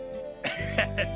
ハハハ